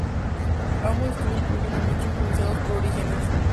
Ambos estuvieron profundamente influenciados por Orígenes.